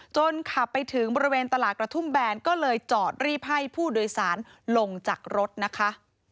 ขับไปถึงบริเวณตลาดกระทุ่มแบนก็เลยจอดรีบให้ผู้โดยสารลงจากรถนะคะ